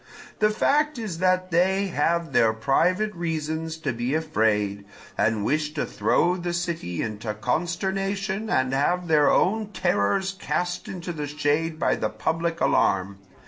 The fact is that they have their private reasons to be afraid, and wish to throw the city into consternation to have their own terrors cast into the shade by the public alarm.